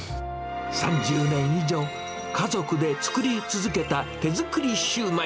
３０年以上、家族で作り続けた手作りシューマイ。